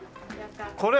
これ？